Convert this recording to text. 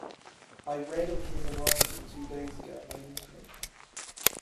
I read of his arrival two days ago in the newspaper.